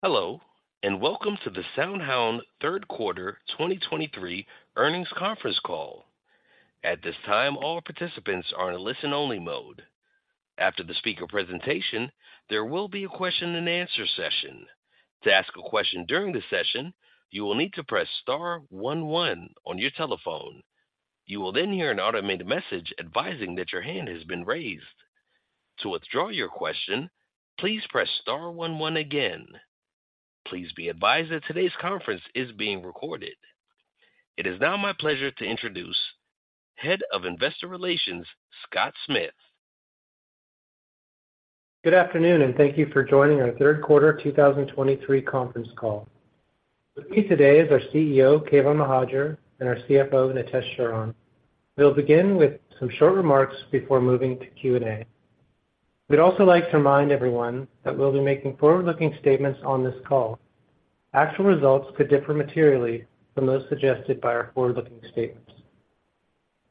Hello, and welcome to the SoundHound third quarter 2023 earnings conference call. At this time, all participants are in a listen-only mode. After the speaker presentation, there will be a question and answer session. To ask a question during the session, you will need to press star one one on your telephone. You will then hear an automated message advising that your hand has been raised. To withdraw your question, please press star one one again. Please be advised that today's conference is being recorded. It is now my pleasure to introduce Head of Investor Relations, Scott Smith. Good afternoon, and thank you for joining our third quarter 2023 conference call. With me today is our CEO, Keyvan Mohajer, and our CFO, Nitesh Sharan. We'll begin with some short remarks before moving to Q&A. We'd also like to remind everyone that we'll be making forward-looking statements on this call. Actual results could differ materially from those suggested by our forward-looking statements.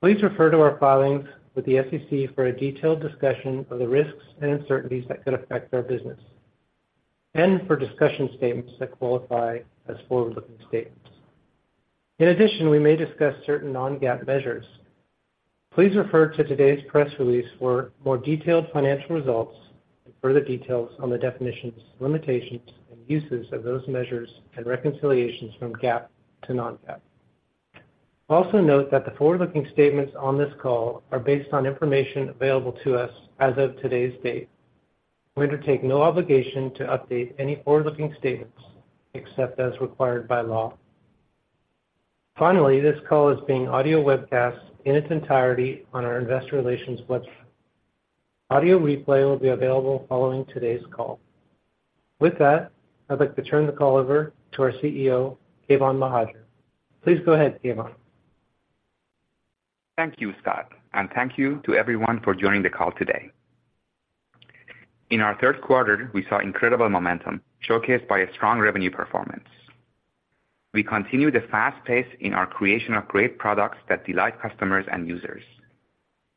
Please refer to our filings with the SEC for a detailed discussion of the risks and uncertainties that could affect our business and for discussion statements that qualify as forward-looking statements. In addition, we may discuss certain non-GAAP measures. Please refer to today's press release for more detailed financial results and further details on the definitions, limitations, and uses of those measures and reconciliations from GAAP to non-GAAP. Also note that the forward-looking statements on this call are based on information available to us as of today's date. We undertake no obligation to update any forward-looking statements except as required by law. Finally, this call is being audio webcast in its entirety on our investor relations website. Audio replay will be available following today's call. With that, I'd like to turn the call over to our CEO, Keyvan Mohajer. Please go ahead, Keyvan. Thank you, Scott, and thank you to everyone for joining the call today. In our third quarter, we saw incredible momentum showcased by a strong revenue performance. We continued the fast pace in our creation of great products that delight customers and users.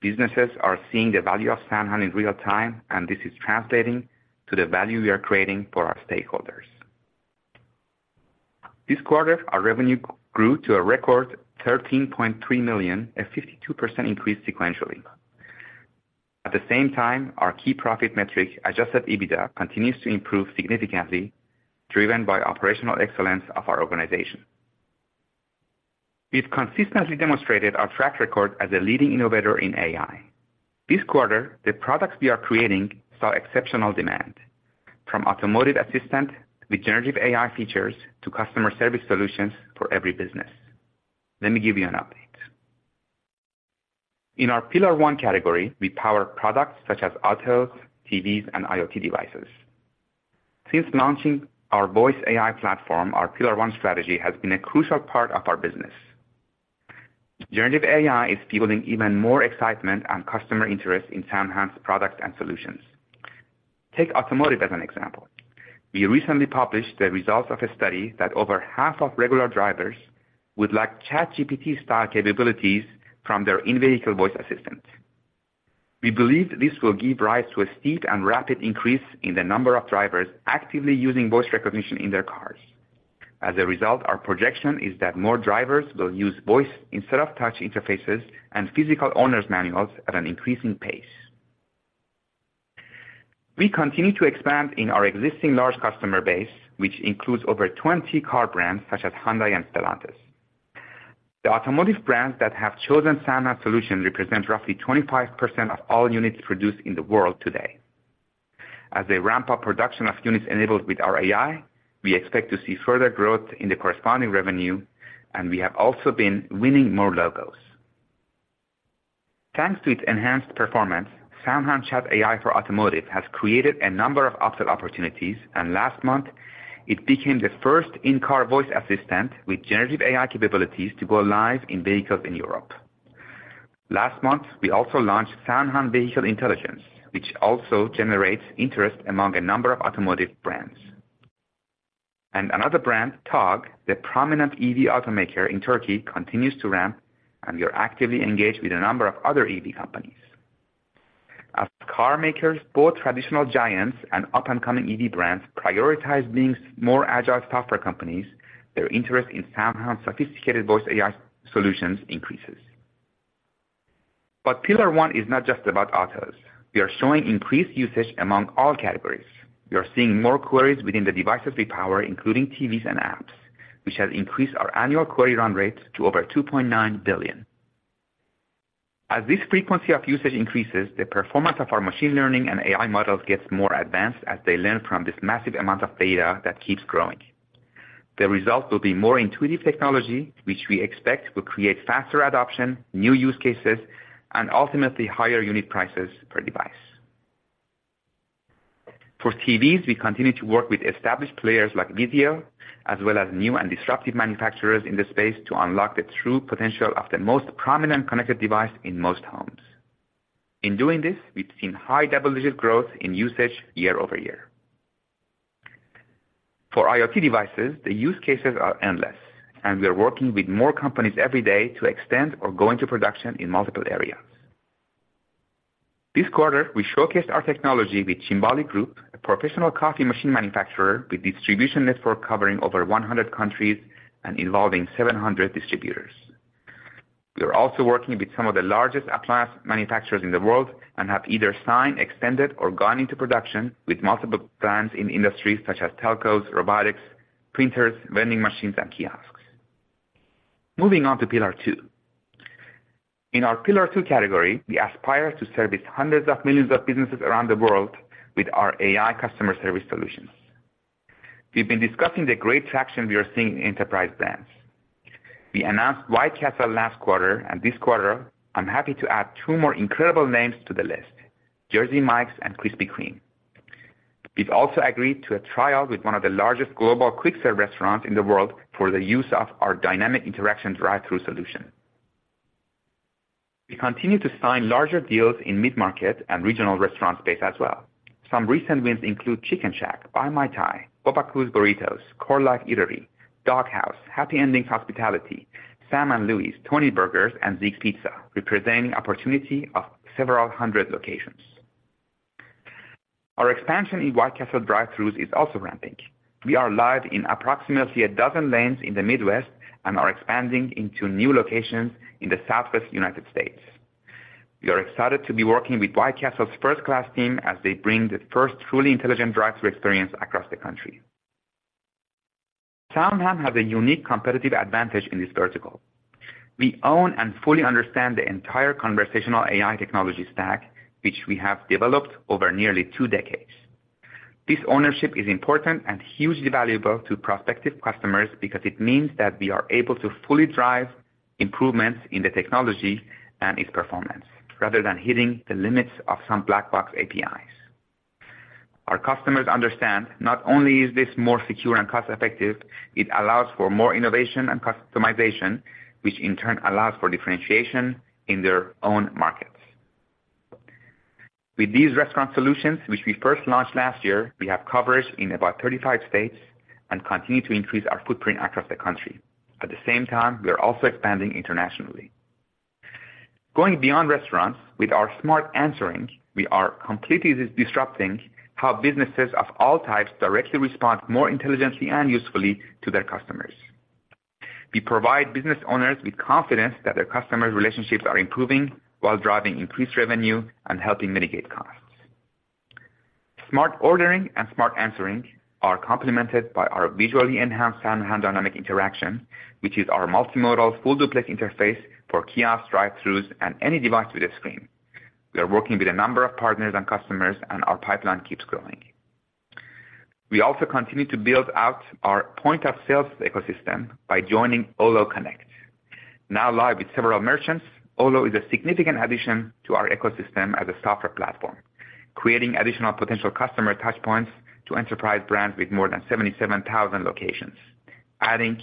Businesses are seeing the value of SoundHound in real time, and this is translating to the value we are creating for our stakeholders. This quarter, our revenue grew to a record $13.3 million, a 52% increase sequentially. At the same time, our key profit metric, Adjusted EBITDA, continues to improve significantly, driven by operational excellence of our organization. We've consistently demonstrated our track record as a leading innovator in AI. This quarter, the products we are creating saw exceptional demand, from automotive assistant with Generative AI features to customer service solutions for every business. Let me give you an update. In our pillar one category, we power products such as autos, TVs, and IoT devices. Since launching our voice AI platform, our pillar one strategy has been a crucial part of our business. Generative AI is fueling even more excitement and customer interest in SoundHound's products and solutions. Take automotive as an example. We recently published the results of a study that over half of regular drivers would like ChatGPT-style capabilities from their in-vehicle voice assistant. We believe this will give rise to a steep and rapid increase in the number of drivers actively using voice recognition in their cars. As a result, our projection is that more drivers will use voice instead of touch interfaces and physical owner's manuals at an increasing pace. We continue to expand in our existing large customer base, which includes over 20 car brands such as Hyundai and Stellantis. The automotive brands that have chosen SoundHound Solutions represent roughly 25% of all units produced in the world today. As they ramp up production of units enabled with our AI, we expect to see further growth in the corresponding revenue, and we have also been winning more logos. Thanks to its enhanced performance, SoundHound Chat AI for Automotive has created a number of upsell opportunities, and last month, it became the first in-car voice assistant with Generative AI capabilities to go live in vehicles in Europe. Last month, we also launched SoundHound Vehicle Intelligence, which also generates interest among a number of automotive brands. Another brand, Togg, the prominent EV automaker in Turkey, continues to ramp, and we are actively engaged with a number of other EV companies. As carmakers, both traditional giants and up-and-coming EV brands, prioritize being more agile software companies, their interest in SoundHound's sophisticated voice AI solutions increases. But pillar one is not just about autos. We are showing increased usage among all categories. We are seeing more queries within the devices we power, including TVs and apps, which has increased our annual query run rate to over 2.9 billion. As this frequency of usage increases, the performance of our machine learning and AI models gets more advanced as they learn from this massive amount of data that keeps growing. The result will be more intuitive technology, which we expect will create faster adoption, new use cases, and ultimately, higher unit prices per device. For TVs, we continue to work with established players like VIZIO, as well as new and disruptive manufacturers in this space, to unlock the true potential of the most prominent connected device in most homes. In doing this, we've seen high double-digit growth in usage year-over-year. For IoT devices, the use cases are endless, and we are working with more companies every day to extend or go into production in multiple areas. This quarter, we showcased our technology with Cimbali Group, a professional coffee machine manufacturer with distribution network covering over 100 countries and involving 700 distributors. We are also working with some of the largest appliance manufacturers in the world and have either signed, extended, or gone into production with multiple brands in industries such as telcos, robotics, printers, vending machines, and kiosks. Moving on to Pillar Two. In our Pillar Two category, we aspire to service hundreds of millions of businesses around the world with our AI customer service solutions. We've been discussing the great traction we are seeing in enterprise brands. We announced White Castle last quarter, and this quarter, I'm happy to add two more incredible names to the list: Jersey Mike's and Krispy Kreme. We've also agreed to a trial with one of the largest global quick-serve restaurants in the world for the use of our Dynamic Interaction drive-thru solution. We continue to sign larger deals in mid-market and regional restaurant space as well. Some recent wins include Chicken Shack, Baan Mai Thai, Bubbakoo's Burritos, CoreLife Eatery, Dog Haus, Happy Endings Hospitality, Sam and Louie's, Tony Burgers, and Zeeks Pizza, representing opportunity of several hundred locations. Our expansion in White Castle drive-thrus is also ramping. We are live in approximately a dozen lanes in the Midwest and are expanding into new locations in the Southwest United States. We are excited to be working with White Castle's first-class team as they bring the first truly intelligent drive-thru experience across the country. SoundHound has a unique competitive advantage in this vertical. We own and fully understand the entire conversational AI technology stack, which we have developed over nearly two decades. This ownership is important and hugely valuable to prospective customers because it means that we are able to fully drive improvements in the technology and its performance, rather than hitting the limits of some black box APIs. Our customers understand not only is this more secure and cost-effective, it allows for more innovation and customization, which in turn allows for differentiation in their own markets. With these restaurant solutions, which we first launched last year, we have coverage in about 35 states and continue to increase our footprint across the country. At the same time, we are also expanding internationally. Going beyond restaurants, with our Smart Answering, we are completely disrupting how businesses of all types directly respond more intelligently and usefully to their customers. We provide business owners with confidence that their customer relationships are improving while driving increased revenue and helping mitigate costs. Smart Ordering and Smart Answering are complemented by our visually enhanced SoundHound Dynamic Interaction, which is our multimodal, full-duplex interface for kiosks, drive-thrus, and any device with a screen. We are working with a number of partners and customers, and our pipeline keeps growing. We also continue to build out our point-of-sale ecosystem by joining Olo Connect. Now live with several merchants, Olo is a significant addition to our ecosystem as a software platform, creating additional potential customer touch points to enterprise brands with more than 77,000 locations, adding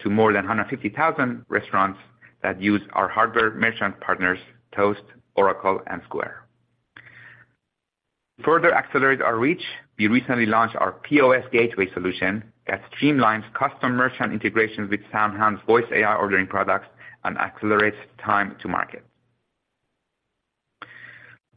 to more than 150,000 restaurants that use our hardware merchant partners, Toast, Oracle, and Square. To further accelerate our reach, we recently launched our POS gateway solution that streamlines custom merchant integrations with SoundHound's voice AI ordering products and accelerates time to market.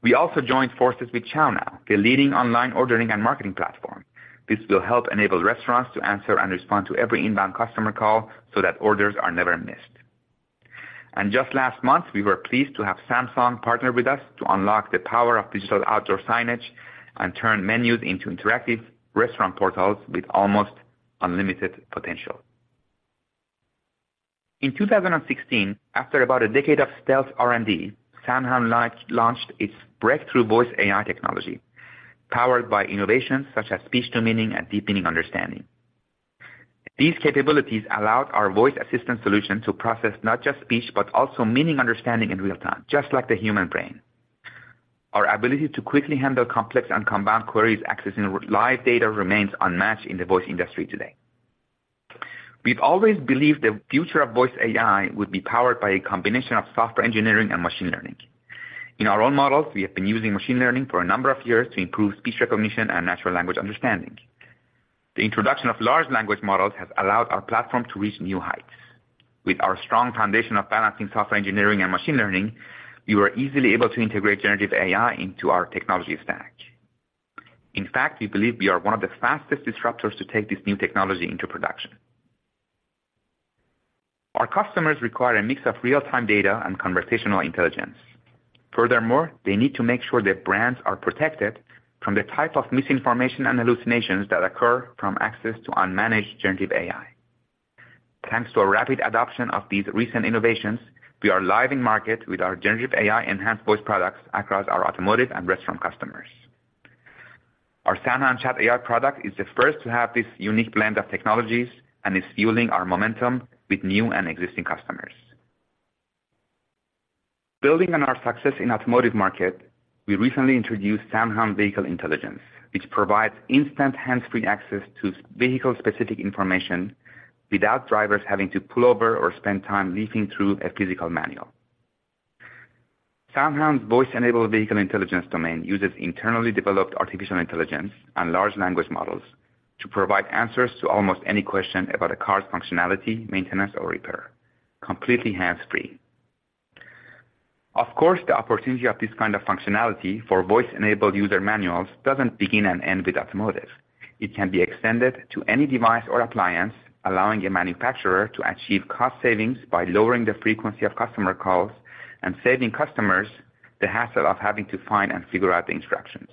We also joined forces with ChowNow, the leading online ordering and marketing platform. This will help enable restaurants to answer and respond to every inbound customer call so that orders are never missed. And just last month, we were pleased to have Samsung partner with us to unlock the power of digital outdoor signage and turn menus into interactive restaurant portals with almost unlimited potential. In 2016, after about a decade of stealth R&D, SoundHound live-launched its breakthrough voice AI technology, powered by innovations such as Speech to Meaning and Deep Meaning Understanding. These capabilities allowed our voice assistant solution to process not just speech, but also meaning understanding in real time, just like the human brain. Our ability to quickly handle complex and combined queries accessing live data remains unmatched in the voice industry today. We've always believed the future of voice AI would be powered by a combination of software engineering and machine learning. In our own models, we have been using machine learning for a number of years to improve speech recognition and natural language understanding. The introduction of large language models has allowed our platform to reach new heights. With our strong foundation of balancing software engineering and machine learning, we were easily able to integrate Generative AI into our technology stack. In fact, we believe we are one of the fastest disruptors to take this new technology into production. Our customers require a mix of real-time data and conversational intelligence. Furthermore, they need to make sure their brands are protected from the type of misinformation and hallucinations that occur from access to unmanaged Generative AI. Thanks to a rapid adoption of these recent innovations, we are live in market with our Generative AI-enhanced voice products across our automotive and restaurant customers. Our SoundHound Chat AI product is the first to have this unique blend of technologies and is fueling our momentum with new and existing customers. Building on our success in automotive market, we recently introduced SoundHound Vehicle Intelligence, which provides instant hands-free access to vehicle-specific information without drivers having to pull over or spend time leafing through a physical manual. SoundHound's voice-enabled vehicle intelligence domain uses internally developed artificial intelligence and large language models to provide answers to almost any question about a car's functionality, maintenance, or repair, completely hands-free. Of course, the opportunity of this kind of functionality for voice-enabled user manuals doesn't begin and end with automotive. It can be extended to any device or appliance, allowing a manufacturer to achieve cost savings by lowering the frequency of customer calls and saving customers the hassle of having to find and figure out the instructions.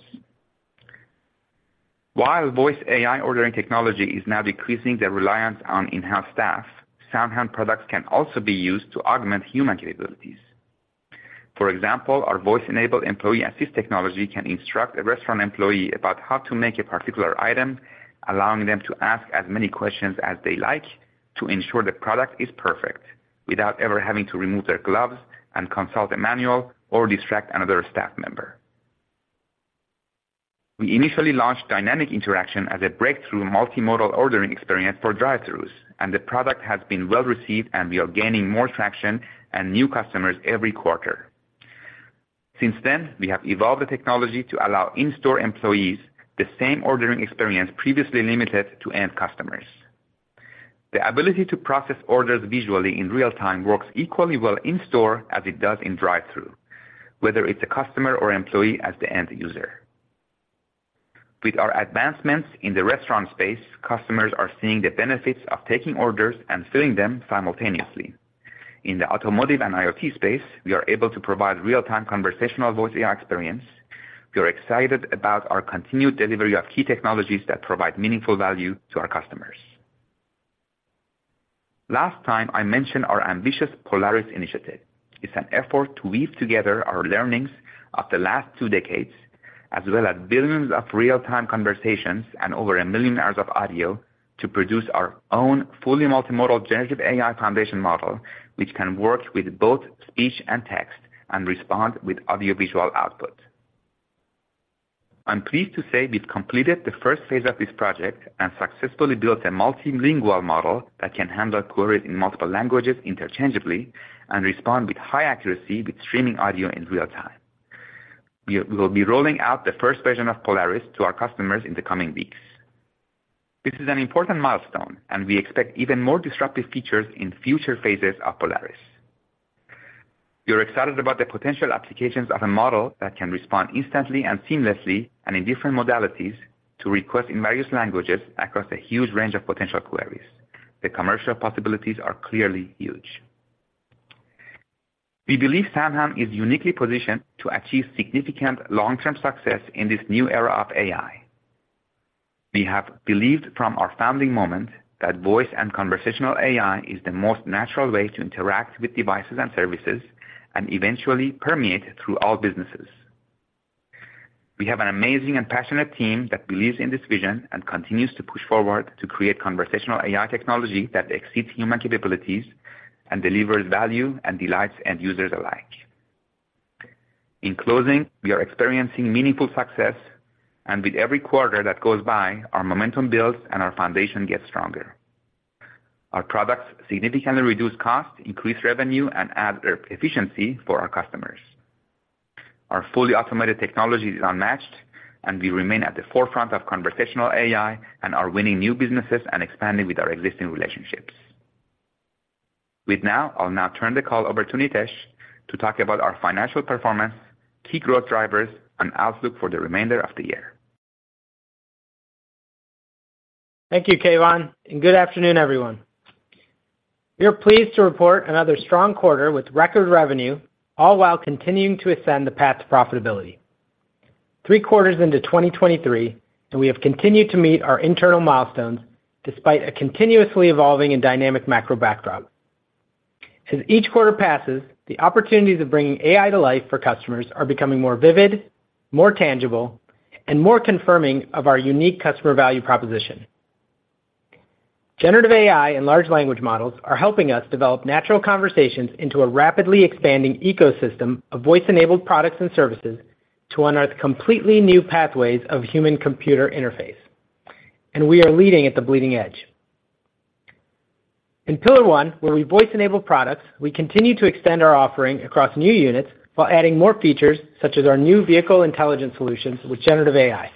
While voice AI ordering technology is now decreasing the reliance on in-house staff, SoundHound products can also be used to augment human capabilities. For example, our voice-enabled Employee Assist technology can instruct a restaurant employee about how to make a particular item, allowing them to ask as many questions as they like to ensure the product is perfect, without ever having to remove their gloves and consult a manual or distract another staff member. We initially launched Dynamic Interaction as a breakthrough multimodal ordering experience for drive-thrus, and the product has been well-received, and we are gaining more traction and new customers every quarter. Since then, we have evolved the technology to allow in-store employees the same ordering experience previously limited to end customers. The ability to process orders visually in real time works equally well in-store as it does in drive-thru, whether it's a customer or employee as the end user. With our advancements in the restaurant space, customers are seeing the benefits of taking orders and filling them simultaneously. In the automotive and IoT space, we are able to provide real-time conversational voice AI experience. We are excited about our continued delivery of key technologies that provide meaningful value to our customers. Last time, I mentioned our ambitious Polaris initiative. It's an effort to weave together our learnings of the last two decades, as well as billions of real-time conversations and over 1 million hours of audio, to produce our own fully multimodal Generative AI foundation model, which can work with both speech and text and respond with audiovisual output. I'm pleased to say we've completed the first phase of this project and successfully built a multilingual model that can handle queries in multiple languages interchangeably and respond with high accuracy with streaming audio in real time. We will be rolling out the first version of Polaris to our customers in the coming weeks. This is an important milestone, and we expect even more disruptive features in future phases of Polaris. We are excited about the potential applications of a model that can respond instantly and seamlessly, and in different modalities, to requests in various languages across a huge range of potential queries. The commercial possibilities are clearly huge. We believe SoundHound is uniquely positioned to achieve significant long-term success in this new era of AI. We have believed from our founding moment that voice and conversational AI is the most natural way to interact with devices and services and eventually permeate through all businesses. We have an amazing and passionate team that believes in this vision and continues to push forward to create conversational AI technology that exceeds human capabilities and delivers value and delights end users alike. In closing, we are experiencing meaningful success, and with every quarter that goes by, our momentum builds and our foundation gets stronger. Our products significantly reduce costs, increase revenue, and add efficiency for our customers. Our fully automated technology is unmatched, and we remain at the forefront of conversational AI and are winning new businesses and expanding with our existing relationships. With now, I'll now turn the call over to Nitesh to talk about our financial performance, key growth drivers, and outlook for the remainder of the year. Thank you, Keyvan, and good afternoon, everyone. We are pleased to report another strong quarter with record revenue, all while continuing to ascend the path to profitability. Three quarters into 2023, and we have continued to meet our internal milestones despite a continuously evolving and dynamic macro backdrop. As each quarter passes, the opportunities of bringing AI to life for customers are becoming more vivid, more tangible, and more confirming of our unique customer value proposition. Generative AI and large language models are helping us develop natural conversations into a rapidly expanding ecosystem of voice-enabled products and services to unearth completely new pathways of human-computer interface, and we are leading at the bleeding edge. In pillar one, where we voice-enable products, we continue to extend our offering across new units while adding more features, such as our new vehicle intelligence solutions with Generative AI.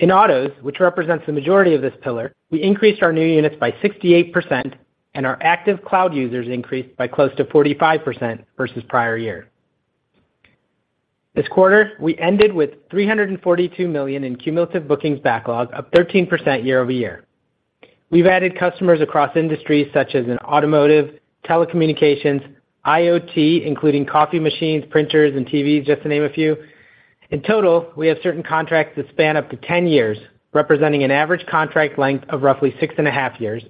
In autos, which represents the majority of this pillar, we increased our new units by 68%, and our active cloud users increased by close to 45% versus prior year. This quarter, we ended with $342 million in cumulative bookings backlog, up 13% year-over-year. We've added customers across industries such as in automotive, telecommunications, IoT, including coffee machines, printers, and TVs, just to name a few. In total, we have certain contracts that span up to 10 years, representing an average contract length of roughly 6.5 years.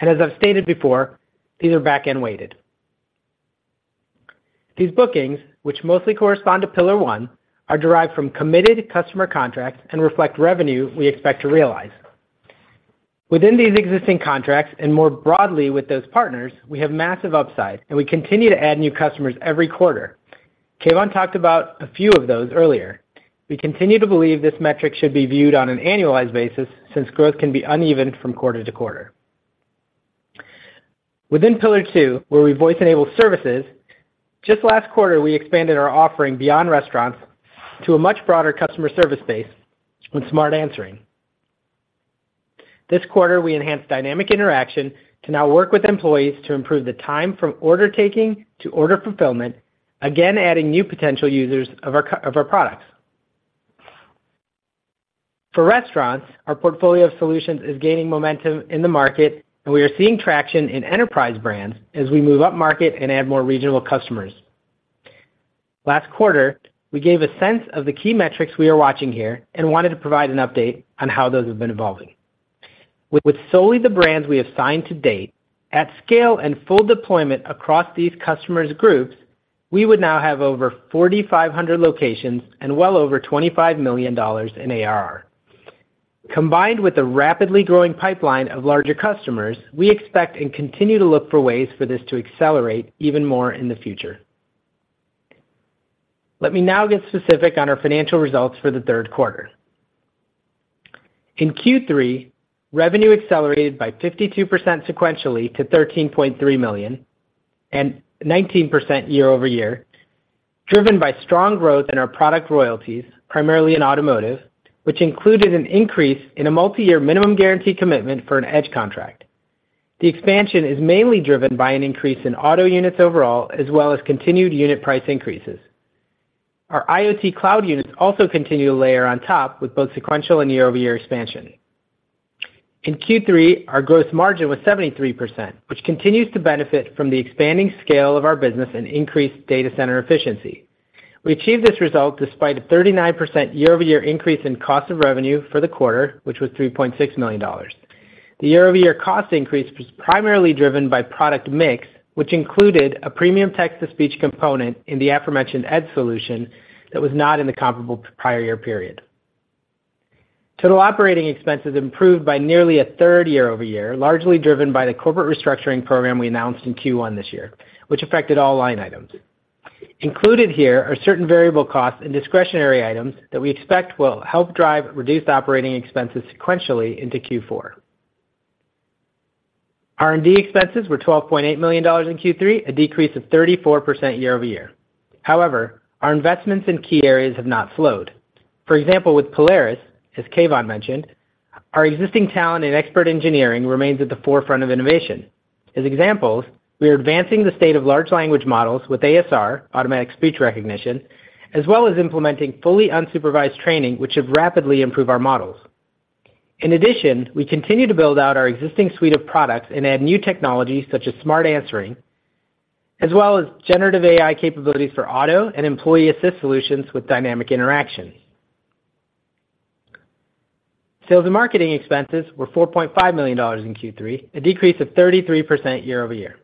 And as I've stated before, these are back-end weighted. These bookings, which mostly correspond to pillar one, are derived from committed customer contracts and reflect revenue we expect to realize. Within these existing contracts, and more broadly with those partners, we have massive upside, and we continue to add new customers every quarter. Keyvan talked about a few of those earlier. We continue to believe this metric should be viewed on an annualized basis since growth can be uneven from quarter to quarter. Within pillar two, where we voice-enabled services, just last quarter, we expanded our offering beyond restaurants to a much broader customer service base with Smart Answering. This quarter, we enhanced Dynamic Interaction to now work with employees to improve the time from order taking to order fulfillment, again, adding new potential users of our products. For restaurants, our portfolio of solutions is gaining momentum in the market, and we are seeing traction in enterprise brands as we move upmarket and add more regional customers. Last quarter, we gave a sense of the key metrics we are watching here and wanted to provide an update on how those have been evolving. With solely the brands we have signed to date, at scale and full deployment across these customer groups, we would now have over 4,500 locations and well over $25 million in ARR. Combined with the rapidly growing pipeline of larger customers, we expect and continue to look for ways for this to accelerate even more in the future. Let me now get specific on our financial results for the third quarter. In Q3, revenue accelerated by 52% sequentially to $13.3 million and 19% year-over-year, driven by strong growth in our product royalties, primarily in automotive, which included an increase in a multiyear minimum guarantee commitment for an Edge contract. The expansion is mainly driven by an increase in auto units overall, as well as continued unit price increases. Our IoT cloud units also continue to layer on top with both sequential and year-over-year expansion. In Q3, our growth margin was 73%, which continues to benefit from the expanding scale of our business and increased data center efficiency. We achieved this result despite a 39% year-over-year increase in cost of revenue for the quarter, which was $3.6 million. The year-over-year cost increase was primarily driven by product mix, which included a premium text-to-speech component in the aforementioned Edge solution that was not in the comparable prior year period. Total operating expenses improved by nearly a third year-over-year, largely driven by the corporate restructuring program we announced in Q1 this year, which affected all line items. Included here are certain variable costs and discretionary items that we expect will help drive reduced operating expenses sequentially into Q4. R&D expenses were $12.8 million in Q3, a decrease of 34% year-over-year. However, our investments in key areas have not slowed. For example, with Polaris, as Keyvan mentioned, our existing talent and expert engineering remains at the forefront of innovation. As examples, we are advancing the state of large language models with ASR, Automatic Speech Recognition, as well as implementing fully unsupervised training, which should rapidly improve our models. In addition, we continue to build out our existing suite of products and add new technologies such as Smart Answering, as well as Generative AI capabilities for auto and Employee Assist solutions with Dynamic Interaction. Sales and marketing expenses were $4.5 million in Q3, a decrease of 33% year-over-year.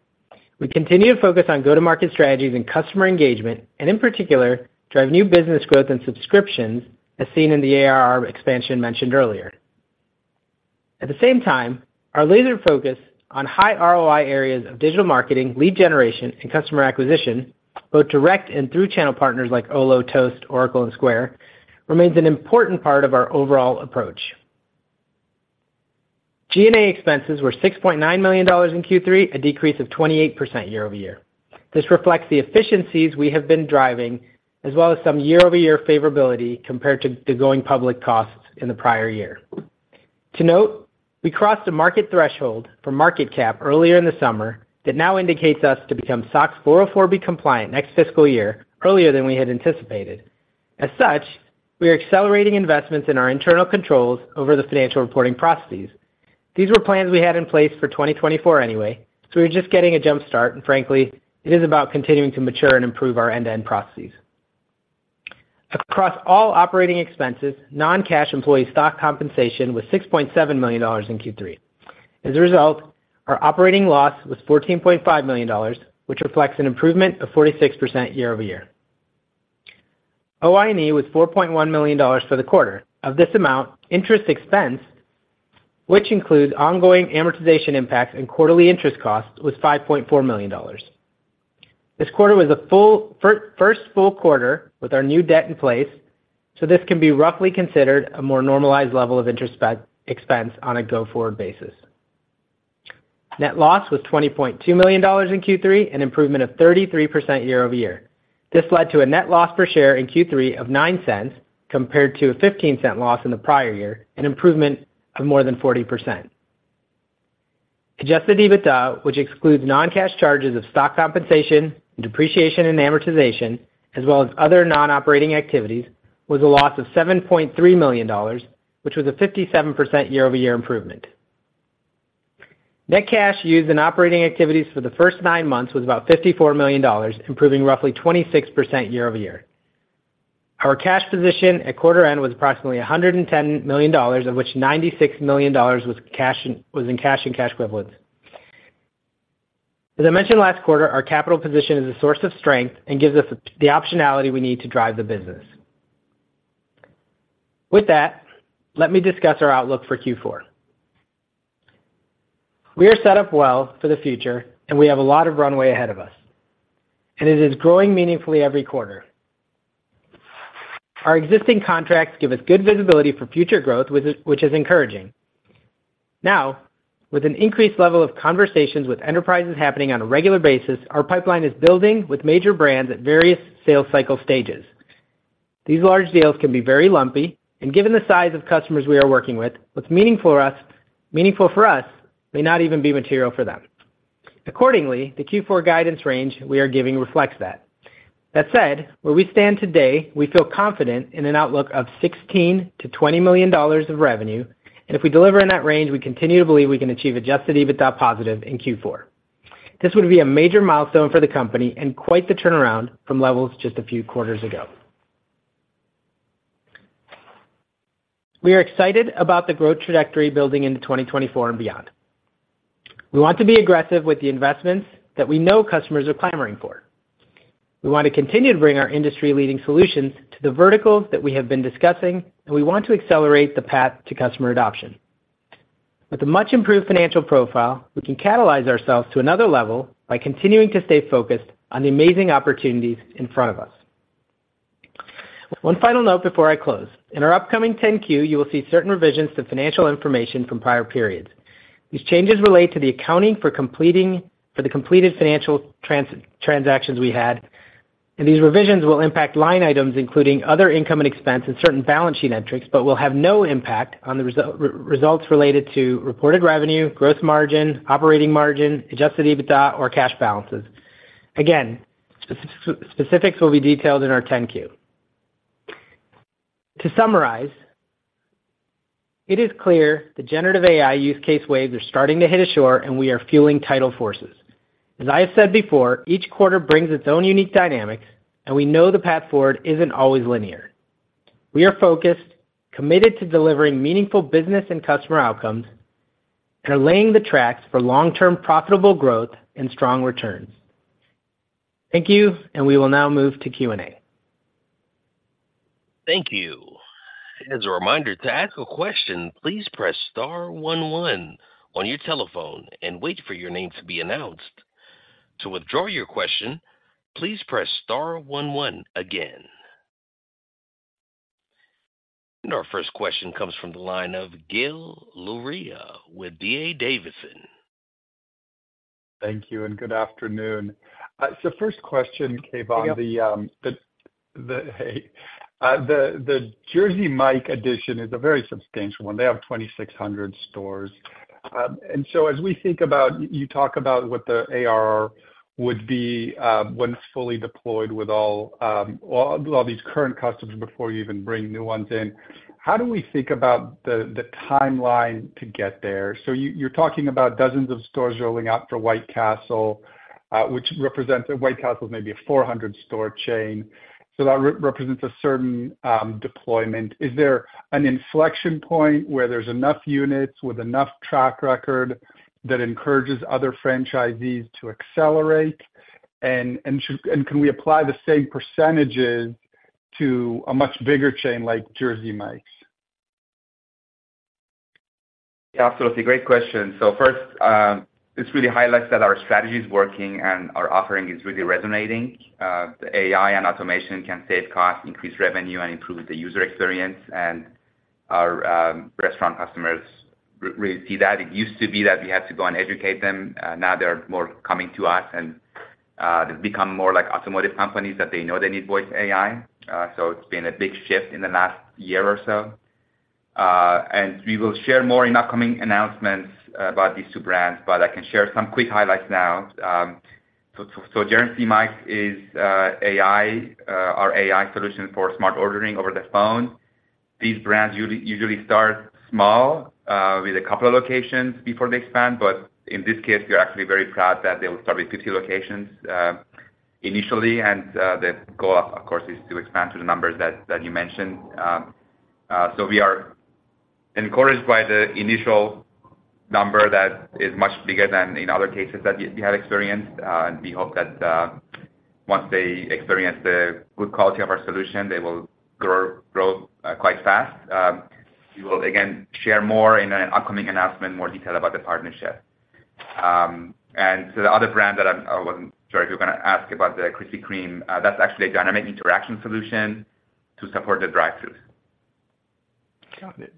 We continue to focus on go-to-market strategies and customer engagement, and in particular, drive new business growth and subscriptions, as seen in the ARR expansion mentioned earlier. At the same time, our laser focus on high ROI areas of digital marketing, lead generation, and customer acquisition, both direct and through channel partners like Olo, Toast, Oracle, and Square, remains an important part of our overall approach. G&A expenses were $6.9 million in Q3, a decrease of 28% year-over-year. This reflects the efficiencies we have been driving, as well as some year-over-year favorability compared to the going public costs in the prior year. To note, we crossed a market threshold for market cap earlier in the summer that now indicates us to become SOX 404(b) compliant next fiscal year, earlier than we had anticipated. As such, we are accelerating investments in our internal controls over the financial reporting processes. These were plans we had in place for 2024 anyway, so we're just getting a jump start, and frankly, it is about continuing to mature and improve our end-to-end processes. Across all operating expenses, non-cash employee stock compensation was $6.7 million in Q3. As a result, our operating loss was $14.5 million, which reflects an improvement of 46% year-over-year. OI&E was $4.1 million for the quarter. Of this amount, interest expense, which includes ongoing amortization impacts and quarterly interest costs, was $5.4 million. This quarter was a first full quarter with our new debt in place, so this can be roughly considered a more normalized level of interest expense on a go-forward basis. Net loss was $20.2 million in Q3, an improvement of 33% year-over-year. This led to a net loss per share in Q3 of $0.09, compared to a $0.15 loss in the prior year, an improvement of more than 40%. Adjusted EBITDA, which excludes non-cash charges of stock compensation and depreciation and amortization, as well as other non-operating activities, was a loss of $7.3 million, which was a 57% year-over-year improvement. Net cash used in operating activities for the first nine months was about $54 million, improving roughly 26% year-over-year. Our cash position at quarter end was approximately $110 million, of which $96 million was in cash and cash equivalents. As I mentioned last quarter, our capital position is a source of strength and gives us the optionality we need to drive the business. With that, let me discuss our outlook for Q4. We are set up well for the future, and we have a lot of runway ahead of us, and it is growing meaningfully every quarter... Our existing contracts give us good visibility for future growth, which is encouraging. Now, with an increased level of conversations with enterprises happening on a regular basis, our pipeline is building with major brands at various sales cycle stages. These large deals can be very lumpy, and given the size of customers we are working with, what's meaningful for us may not even be material for them. Accordingly, the Q4 guidance range we are giving reflects that. That said, where we stand today, we feel confident in an outlook of $16 million-$20 million of revenue, and if we deliver in that range, we continue to believe we can achieve Adjusted EBITDA positive in Q4. This would be a major milestone for the company and quite the turnaround from levels just a few quarters ago. We are excited about the growth trajectory building into 2024 and beyond. We want to be aggressive with the investments that we know customers are clamoring for. We want to continue to bring our industry-leading solutions to the verticals that we have been discussing, and we want to accelerate the path to customer adoption. With a much improved financial profile, we can catalyze ourselves to another level by continuing to stay focused on the amazing opportunities in front of us. One final note before I close. In our upcoming 10-Q, you will see certain revisions to financial information from prior periods. These changes relate to the accounting for the completed financial transactions we had, and these revisions will impact line items, including other income and expense and certain balance sheet metrics, but will have no impact on the results related to reported revenue, gross margin, operating margin, Adjusted EBITDA or cash balances. Again, specifics will be detailed in our 10-Q. To summarize, it is clear the Generative AI use case waves are starting to hit ashore, and we are fueling tidal forces. As I have said before, each quarter brings its own unique dynamics, and we know the path forward isn't always linear. We are focused, committed to delivering meaningful business and customer outcomes, and are laying the tracks for long-term profitable growth and strong returns. Thank you, and we will now move to Q&A. Thank you. As a reminder, to ask a question, please press star one one on your telephone and wait for your name to be announced. To withdraw your question, please press star one one again. Our first question comes from the line of Gil Luria with D.A. Davidson. Thank you and good afternoon. First question, Keyvan. Hey, Gil. The Jersey Mike's addition is a very substantial one. They have 2,600 stores. And so as we think about, you talk about what the ARR would be when fully deployed with all these current customers before you even bring new ones in, how do we think about the timeline to get there? So you're talking about dozens of stores rolling out for White Castle, which represents... White Castle is maybe a 400-store chain, so that represents a certain deployment. Is there an inflection point where there's enough units with enough track record that encourages other franchisees to accelerate? And can we apply the same percentages to a much bigger chain like Jersey Mike's? Yeah, absolutely. Great question. So first, this really highlights that our strategy is working and our offering is really resonating. The AI and automation can save costs, increase revenue, and improve the user experience, and our restaurant customers really see that. It used to be that we had to go and educate them. Now they're more coming to us and they've become more like automotive companies, that they know they need voice AI. So it's been a big shift in the last year or so. And we will share more in upcoming announcements about these two brands, but I can share some quick highlights now. So Jersey Mike's is our AI solution for Smart Ordering over the phone. These brands usually start small with a couple of locations before they expand, but in this case, we are actually very proud that they will start with 50 locations initially. The goal, of course, is to expand to the numbers that you mentioned. So we are encouraged by the initial number that is much bigger than in other cases that we have experienced. And we hope that once they experience the good quality of our solution, they will grow quite fast. We will again share more in an upcoming announcement, more detail about the partnership. And so the other brand that I wasn't sure if you were gonna ask about the Krispy Kreme. That's actually a Dynamic Interaction solution to support the drive-throughs.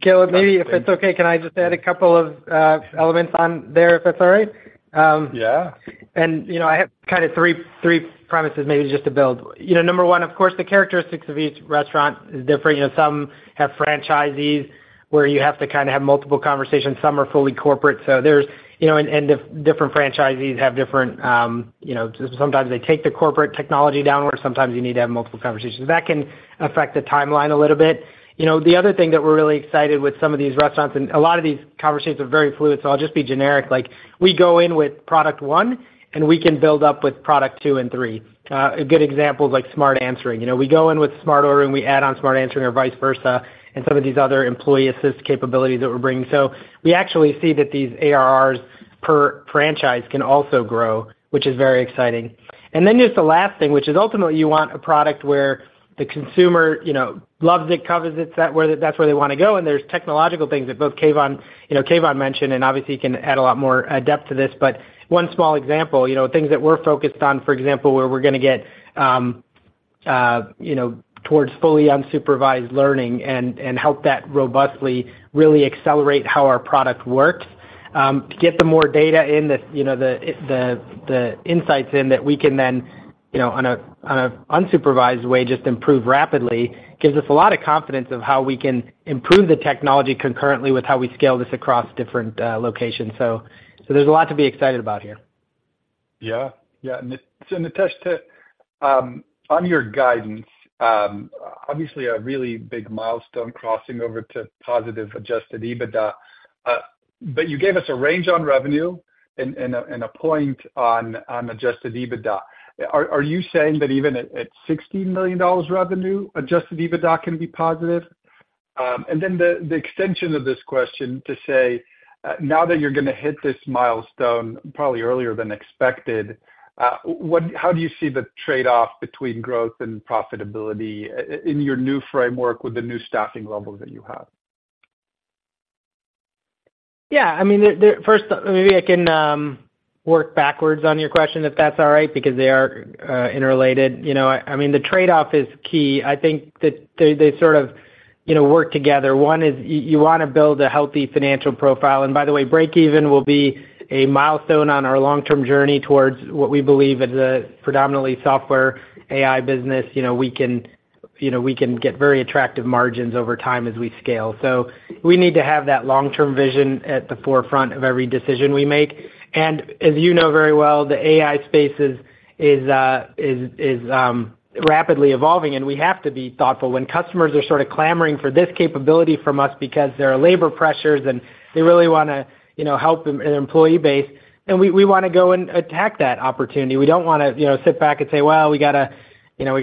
Gil, maybe if it's okay, can I just add a couple of elements on there, if that's all right? Yeah. You know, I have kind of three, three premises maybe just to build. You know, number one, of course, the characteristics of each restaurant is different. You know, some have franchisees where you have to kind of have multiple conversations. Some are fully corporate, so there's, you know, and, and the different franchisees have different, you know, sometimes they take the corporate technology down, or sometimes you need to have multiple conversations. That can affect the timeline a little bit. You know, the other thing that we're really excited with some of these restaurants, and a lot of these conversations are very fluid, so I'll just be generic. Like, we go in with product one, and we can build up with product two and three. A good example is like Smart Answering. You know, we go in with Smart Ordering, we add on Smart Answering or vice versa, and some of these other Employee Assist capabilities that we're bringing. So we actually see that these ARRs per franchise can also grow, which is very exciting. And then just the last thing, which is ultimately you want a product where the consumer, you know, loves it, covers it, that's where they want to go. And there's technological things that both Keyvan, you know, Keyvan mentioned and obviously can add a lot more depth to this. But one small example, you know, things that we're focused on, for example, where we're gonna get... You know, towards fully unsupervised learning and help that robustly really accelerate how our product works, to get the more data in the, you know, the insights in that we can then, you know, on an unsupervised way, just improve rapidly, gives us a lot of confidence of how we can improve the technology concurrently with how we scale this across different locations. So there's a lot to be excited about here. Yeah. Yeah. So Nitesh, to, on your guidance, obviously a really big milestone crossing over to positive Adjusted EBITDA, but you gave us a range on revenue and a point on Adjusted EBITDA. Are you saying that even at $60 million revenue, Adjusted EBITDA can be positive? And then the extension of this question to say, now that you're gonna hit this milestone, probably earlier than expected, what—how do you see the trade-off between growth and profitability in your new framework with the new staffing levels that you have? Yeah, I mean, first, maybe I can work backwards on your question, if that's all right, because they are interrelated. You know, I mean, the trade-off is key. I think that they sort of, you know, work together. One is, you wanna build a healthy financial profile. And by the way, break even will be a milestone on our long-term journey towards what we believe is a predominantly software AI business. You know, we can get very attractive margins over time as we scale. So we need to have that long-term vision at the forefront of every decision we make. And as you know very well, the AI space is rapidly evolving, and we have to be thoughtful. When customers are sort of clamoring for this capability from us because there are labor pressures, and they really wanna, you know, help 'em, their employee base, then we wanna go and attack that opportunity. We don't wanna, you know, sit back and say, "Well, we gotta, you know,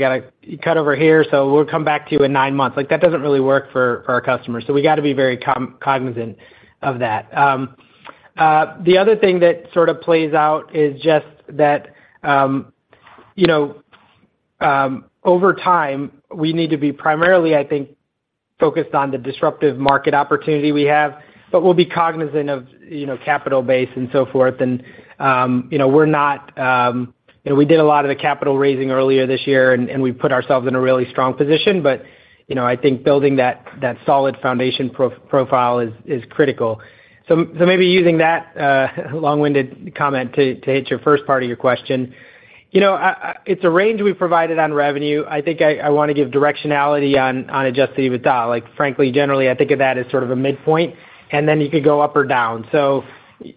cut over here, so we'll come back to you in nine months." Like, that doesn't really work for our customers. So we gotta be very cognizant of that. The other thing that sort of plays out is just that, over time, we need to be primarily, I think, focused on the disruptive market opportunity we have, but we'll be cognizant of, you know, capital base and so forth. And, you know, we're not... You know, we did a lot of the capital raising earlier this year, and we put ourselves in a really strong position. But, you know, I think building that solid foundation pro-profile is critical. So maybe using that long-winded comment to hit your first part of your question. You know, it's a range we've provided on revenue. I think I wanna give directionality on Adjusted EBITDA. Like, frankly, generally, I think of that as sort of a midpoint, and then you could go up or down. So,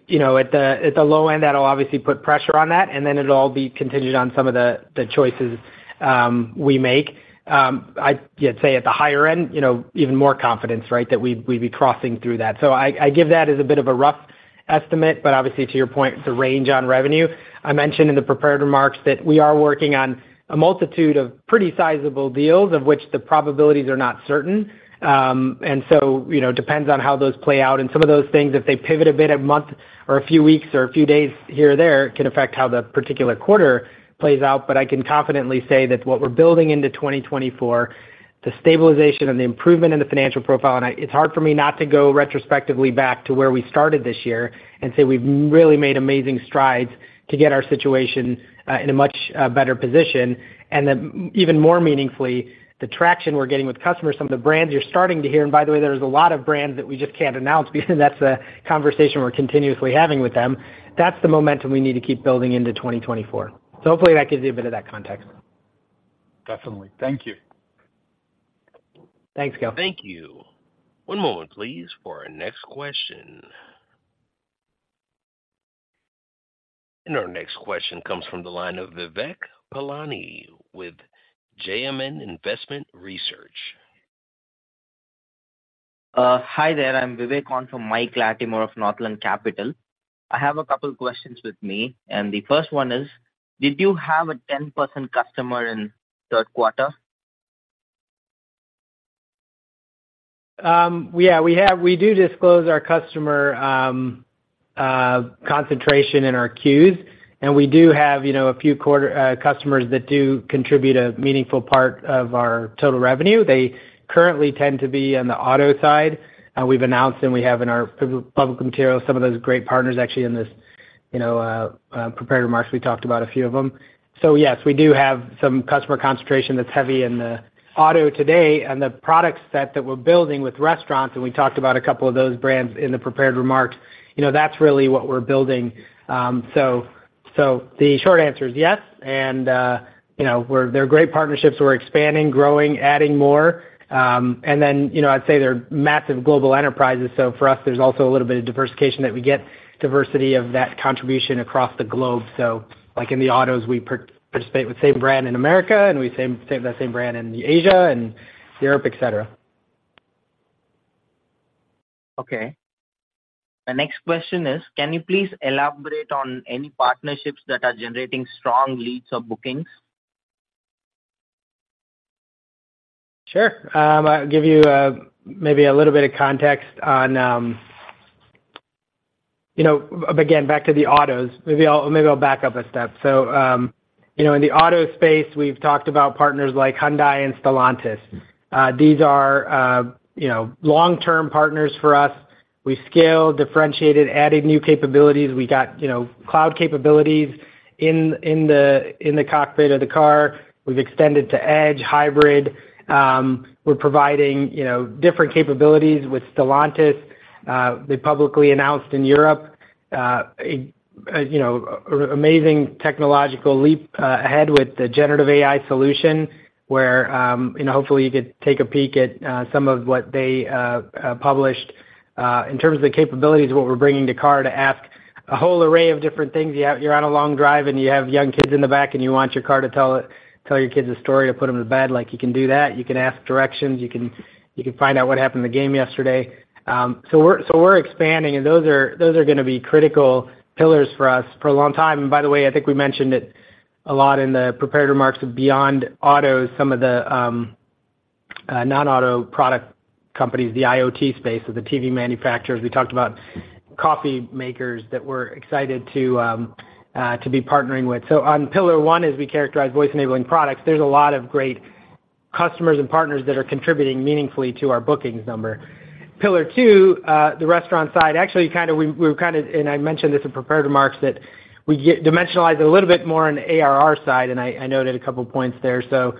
you know, at the low end, that'll obviously put pressure on that, and then it'll all be contingent on some of the choices we make. I'd say at the higher end, you know, even more confidence, right? That we'd be crossing through that. So I, I give that as a bit of a rough estimate, but obviously, to your point, it's a range on revenue. I mentioned in the prepared remarks that we are working on a multitude of pretty sizable deals, of which the probabilities are not certain. And so, you know, depends on how those play out. And some of those things, if they pivot a bit, a month or a few weeks or a few days here or there, can affect how the particular quarter plays out. But I can confidently say that what we're building into 2024, the stabilization and the improvement in the financial profile, and it's hard for me not to go retrospectively back to where we started this year and say we've really made amazing strides to get our situation in a much better position. And then even more meaningfully, the traction we're getting with customers, some of the brands you're starting to hear, and by the way, there's a lot of brands that we just can't announce because that's a conversation we're continuously having with them. That's the momentum we need to keep building into 2024. So hopefully that gives you a bit of that context. Definitely. Thank you. Thanks, Gil. Thank you. One moment, please, for our next question. Our next question comes from the line of Vivek Palani with JMN Investment Research. Hi there. I'm Vivek, on for Mike Latimore of Northland Capital. I have a couple questions with me, and the first one is: Did you have a 10% customer in third quarter? Yeah, we have. We do disclose our customer concentration in our 10-Qs, and we do have, you know, a few key customers that do contribute a meaningful part of our total revenue. They currently tend to be on the auto side. We've announced, and we have in our public material, some of those great partners actually in this, you know, prepared remarks, we talked about a few of them. So yes, we do have some customer concentration that's heavy in the auto today and the product set that we're building with restaurants, and we talked about a couple of those brands in the prepared remarks. You know, that's really what we're building. So the short answer is yes, and, you know, they're great partnerships. We're expanding, growing, adding more. And then, you know, I'd say they're massive global enterprises, so for us, there's also a little bit of diversification that we get, diversity of that contribution across the globe. So like in the autos, we participate with the same brand in America, and the same in Asia and Europe, et cetera. Okay. The next question is: Can you please elaborate on any partnerships that are generating strong leads or bookings? Sure. I'll give you, maybe a little bit of context on... You know, again, back to the autos. Maybe I'll, maybe I'll back up a step. So, you know, in the auto space, we've talked about partners like Hyundai and Stellantis. These are, you know, long-term partners for us.... We scaled, differentiated, added new capabilities. We got, you know, cloud capabilities in, in the cockpit of the car. We've extended to edge, hybrid. We're providing, you know, different capabilities with Stellantis. They publicly announced in Europe, a, you know, amazing technological leap, ahead with the Generative AI solution, where, you know, hopefully you could take a peek at, some of what they, published. In terms of the capabilities of what we're bringing to car to ask a whole array of different things. You're on a long drive, and you have young kids in the back, and you want your car to tell, tell your kids a story to put them to bed. Like, you can do that. You can ask directions. You can find out what happened in the game yesterday. So we're expanding, and those are gonna be critical pillars for us for a long time. And by the way, I think we mentioned it a lot in the prepared remarks, beyond autos, some of the non-auto product companies, the IoT space, so the TV manufacturers. We talked about coffee makers that we're excited to be partnering with. So on pillar one, as we characterize voice-enabling products, there's a lot of great customers and partners that are contributing meaningfully to our bookings number. Pillar two, the restaurant side, actually, and I mentioned this in prepared remarks, that we get dimensionalize it a little bit more on the ARR side, and I noted a couple points there. So,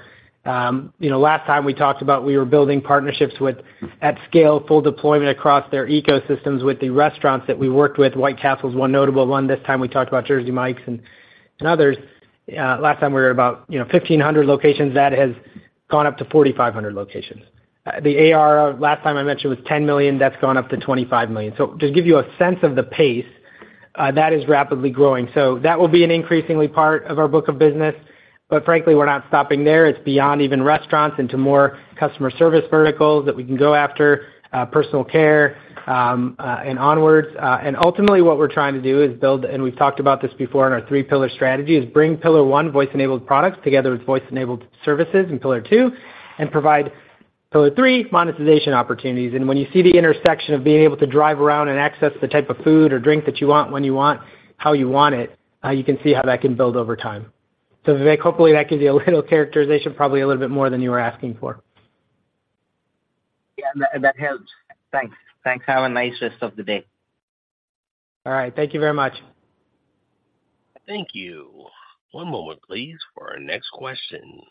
you know, last time we talked about we were building partnerships with at scale, full deployment across their ecosystems with the restaurants that we worked with. White Castle is one notable one. This time we talked about Jersey Mike's and others. Last time we were about, you know, 1,500 locations. That has gone up to 4,500 locations. The ARR, last time I mentioned, was $10 million. That's gone up to $25 million. So just give you a sense of the pace, that is rapidly growing. So that will be an increasingly part of our book of business. Frankly, we're not stopping there. It's beyond even restaurants into more customer service verticals that we can go after, personal care, and onwards. And ultimately, what we're trying to do is build, and we've talked about this before in our three pillar strategy, is bring pillar one, voice-enabled products, together with voice-enabled services in pillar two, and provide pillar three, monetization opportunities. And when you see the intersection of being able to drive around and access the type of food or drink that you want, when you want, how you want it, you can see how that can build over time. So Vivek, hopefully, that gives you a little characterization, probably a little bit more than you were asking for. Yeah, that, that helps. Thanks. Thanks. Have a nice rest of the day. All right. Thank you very much. Thank you. One moment, please, for our next question.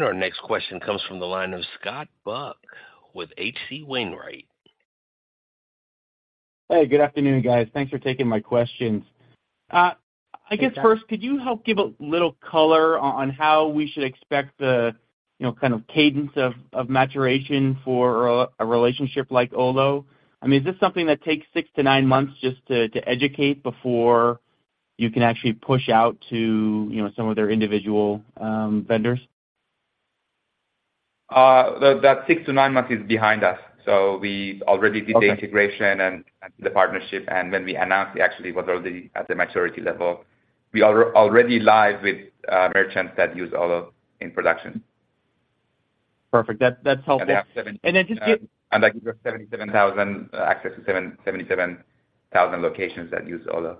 Our next question comes from the line of Scott Buck with H.C. Wainwright. Hey, good afternoon, guys. Thanks for taking my questions. I guess first, could you help give a little color on how we should expect the, you know, kind of cadence of maturation for a relationship like Olo? I mean, is this something that takes six to nine months just to educate before you can actually push out to, you know, some of their individual vendors? That 6-9 months is behind us, so we already did- Okay... the integration and, and the partnership, and when we announced, it actually was already at the maturity level. We are already live with merchants that use Olo in production. Perfect. That's helpful. We have 70- And then just give- That gives us access to 77,000 locations that use Olo.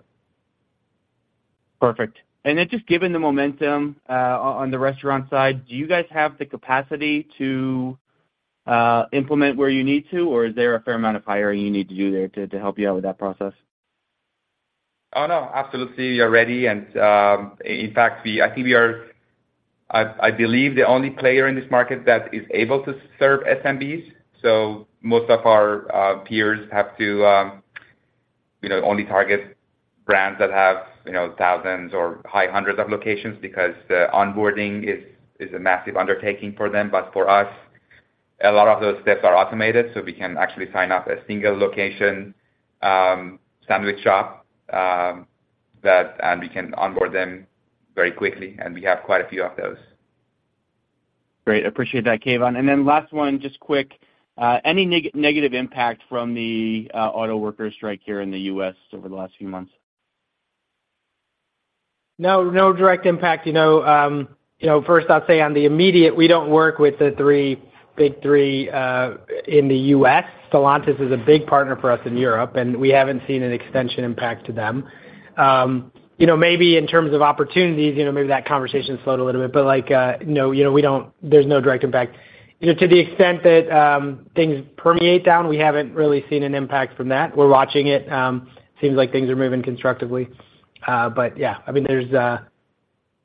Perfect. And then just given the momentum on the restaurant side, do you guys have the capacity to implement where you need to, or is there a fair amount of hiring you need to do there to help you out with that process? Oh, no, absolutely, we are ready, and, in fact, we—I think we are, I believe, the only player in this market that is able to serve SMBs. So most of our peers have to, you know, only target brands that have, you know, thousands or high hundreds of locations because the onboarding is a massive undertaking for them. But for us, a lot of those steps are automated, so we can actually sign up a single location, sandwich shop, that and we can onboard them very quickly, and we have quite a few of those. Great. Appreciate that, Keyvan. And then last one, just quick, any negative impact from the auto workers strike here in the U.S. over the last few months? No, no direct impact. You know, you know, first, I'll say on the immediate, we don't work with the three, Big Three, in the U.S. Stellantis is a big partner for us in Europe, and we haven't seen an extension impact to them. You know, maybe in terms of opportunities, you know, maybe that conversation slowed a little bit, but like, no, you know, we don't—there's no direct impact. You know, to the extent that, things permeate down, we haven't really seen an impact from that. We're watching it. Seems like things are moving constructively. But yeah, I mean, there's,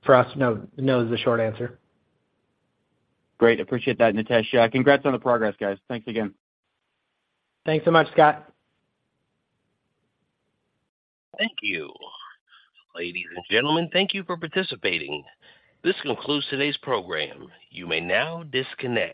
for us, no, no is the short answer. Great. Appreciate that, Nitesh. Congrats on the progress, guys. Thanks again. Thanks so much, Scott. Thank you. Ladies and gentlemen, thank you for participating. This concludes today's program. You may now disconnect.